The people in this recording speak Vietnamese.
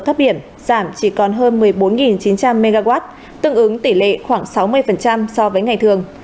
thấp điểm giảm chỉ còn hơn một mươi bốn chín trăm linh mw tương ứng tỷ lệ khoảng sáu mươi so với ngày thường